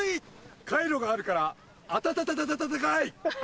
カイロがあるからあたたたかい！